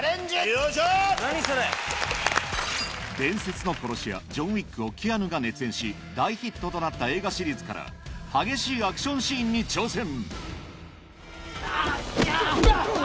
伝説の殺し屋ジョン・ウィックをキアヌが熱演し大ヒットとなった映画シリーズから激しいアクションシーンに挑戦